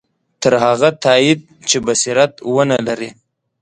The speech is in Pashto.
تر هغه تایید چې بصیرت ونه لري.